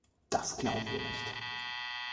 Das glauben wir nicht.